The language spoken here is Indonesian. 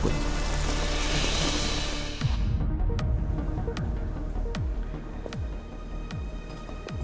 gunawang sebaiknya makan siang dulu